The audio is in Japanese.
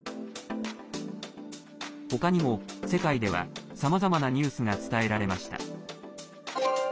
ほかにも世界ではさまざまなニュースが伝えられました。